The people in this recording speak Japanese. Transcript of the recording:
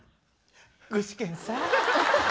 具志堅さん？